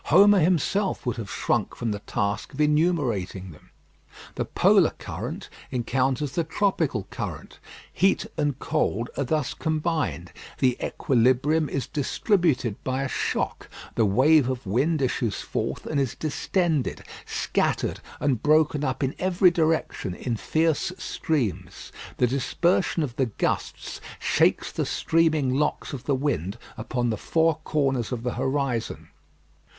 Homer himself would have shrunk from the task of enumerating them. The polar current encounters the tropical current. Heat and cold are thus combined; the equilibrium is distributed by a shock, the wave of wind issues forth and is distended, scattered and broken up in every direction in fierce streams. The dispersion of the gusts shakes the streaming locks of the wind upon the four corners of the horizon.